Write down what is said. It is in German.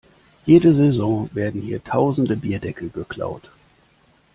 Jede Saison werden hier tausende Bierdeckel geklaut.